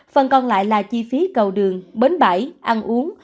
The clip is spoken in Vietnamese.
phần còn lại là chi phí cầu đường bến bãi ăn uống